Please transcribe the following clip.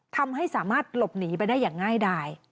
ทำให้สามารถหลบหนีไปได้อย่างง่ายดาย